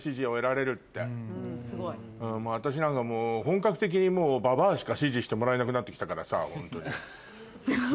私なんか本格的にもうババアしか支持してもらえなくなって来たからさホントに。